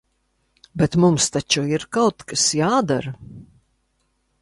Bet mums taču ir kaut kas jādara!